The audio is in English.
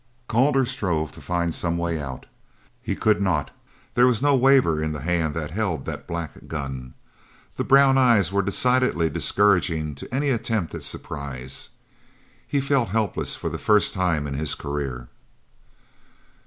Calder strove to find some way out. He could not. There was no waver in the hand that held that black gun. The brown eyes were decidedly discouraging to any attempt at a surprise. He felt helpless for the first time in his career.